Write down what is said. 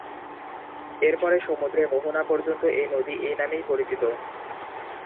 এরপর সমুদ্রে মোহনা পর্যন্ত এই নদী এই নামেই পরিচিত।